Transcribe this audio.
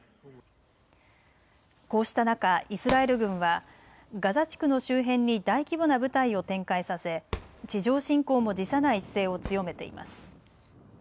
こうした中、イスラエル軍はガザ地区の周辺に大規模な部隊を展開させ、地上侵攻も辞さない姿勢を強めています。